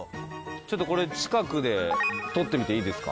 ちょっとこれ近くで撮ってみていいですか？